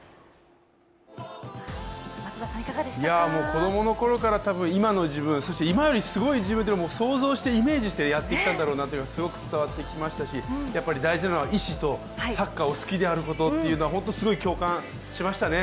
子供のころから今の自分そして今よりすごい自分を想像してイメージしてやってきたんだろうなというのがすごく伝わってきましたし、やっぱり大事なのは意志とサッカーを好きであることとは本当、すごく共感しましたね。